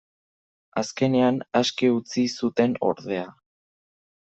Azkenean aske utzi zuten ordea.